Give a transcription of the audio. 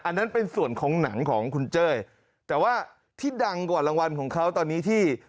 อันนั้นเป็นส่วนของหนังของคุณเจ้ยแต่ว่าที่ดังกว่ารางวัลของเขาตอนนี้ที่